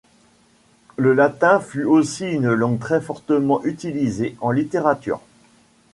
Le latin fut aussi une langue très fortement utilisée en littérature.